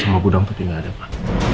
sama budang tapi gak ada pak